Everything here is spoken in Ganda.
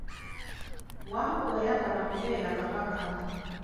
Wankoko yayagala okubeera kabaka.